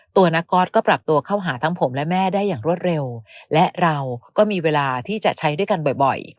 ตัวนักก๊อตก็ปรับตัวเข้าหาทั้งผมและแม่ได้อย่างรวดเร็วและเราก็มีเวลาที่จะใช้ด้วยกันบ่อย